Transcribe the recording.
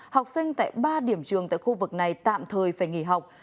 học sinh tại ba điểm trường tại khu vực này tạm thời phải nghỉ học